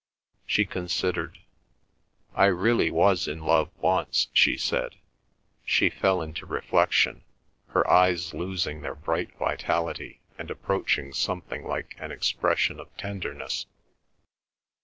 She considered. "I really was in love once," she said. She fell into reflection, her eyes losing their bright vitality and approaching something like an expression of tenderness.